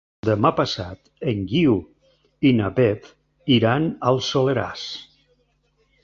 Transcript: Demà passat en Guiu i na Beth iran al Soleràs.